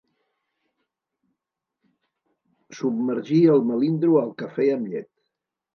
Submergir el melindro al cafè amb llet.